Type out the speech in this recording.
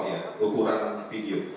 iya ukuran video